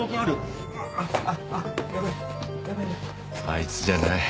あいつじゃない。